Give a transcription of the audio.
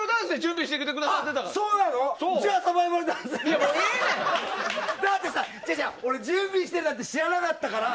だってさ、俺準備してたなんて知らないから。